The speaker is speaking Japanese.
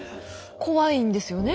怖いんですよね？